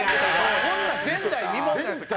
こんなん前代未聞なんですよ。